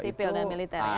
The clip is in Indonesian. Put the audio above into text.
sipil dan militer ya